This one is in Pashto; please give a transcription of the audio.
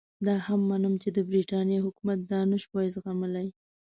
دا هم منم چې د برټانیې حکومت دا نه شوای زغملای.